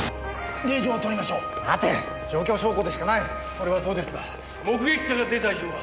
それはそうですが目撃者が出た以上は。